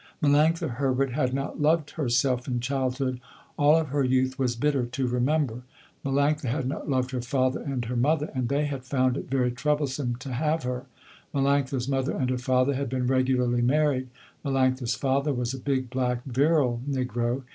Melanctha Herbert had not loved herself in childhood. All of her youth was bitter to remember. Melanctha had not loved her father and her mother and they had found it very troublesome to have her. Melanctha's mother and her father had been regularly married. Melanctha's father was a big black virile negro.